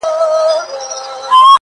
ځناورو هري خوا ته كړلې منډي!.